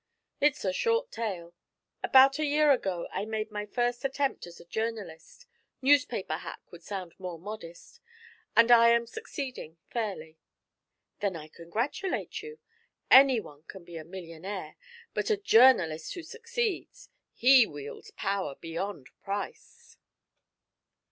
'It's a short tale. About a year ago I made my first attempt as a journalist newspaper hack would sound more modest and I am succeeding fairly.' 'Then I congratulate you. Anyone can be a millionaire, but a journalist who succeeds he wields a power beyond price.'